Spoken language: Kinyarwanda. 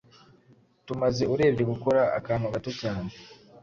tumaze urebye gukora akantu gato cyane